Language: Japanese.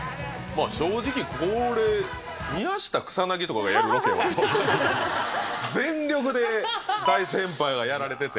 正直、これ、宮下草薙とかがやるロケを全力で大先輩がやられてて。